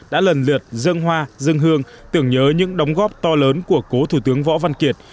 đã lần lượt dân hoa dân hương tưởng nhớ những đóng góp to lớn của cố thủ tướng võ văn kiệt